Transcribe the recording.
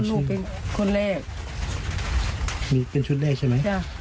อืม